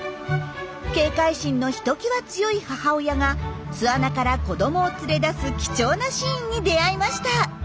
警戒心のひときわ強い母親が巣穴から子どもを連れ出す貴重なシーンに出会いました。